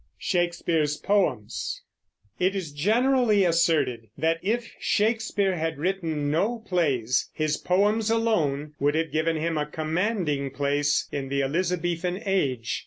SHAKESPEARE'S POEMS. It is generally asserted that, if Shakespeare had written no plays, his poems alone would have given him a commanding place in the Elizabethan Age.